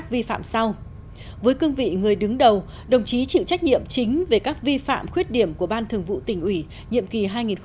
với cương vị người đứng đầu đồng chí chịu trách nhiệm chính về các vi phạm khuyết điểm của ban thường vụ tỉnh ủy nhiệm kỳ hai nghìn một mươi hai nghìn một mươi năm